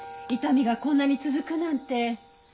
痛みがこんなに続くなんて。